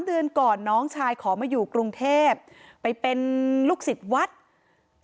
เดือนก่อนน้องชายขอมาอยู่กรุงเทพไปเป็นลูกศิษย์วัด